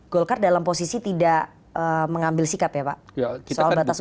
golkar dalam posisi tidak mengambil sikap ya pak soal batas usia